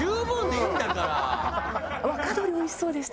若鶏おいしそうでした。